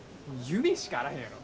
夢しかあらへんやろ。